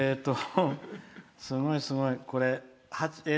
すごい、すごい。